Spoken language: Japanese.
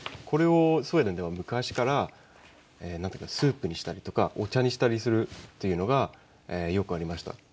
これをスウェーデンでは昔からスープにしたりとかお茶にしたりするというのがよくありました。